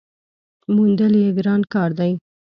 موندل یې ګران کار دی .